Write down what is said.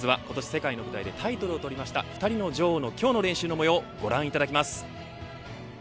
まずは今年世界の舞台でタイトルを取りました２人の女王の今日の練習の模様ご覧いただきます。